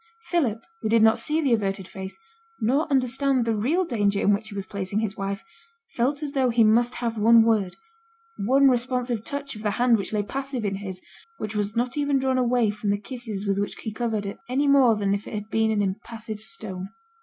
Philip, who did not see the averted face, nor understand the real danger in which he was placing his wife, felt as though he must have one word, one responsive touch of the hand which lay passive in his, which was not even drawn away from the kisses with which he covered it, any more than if it had been an impassive stone.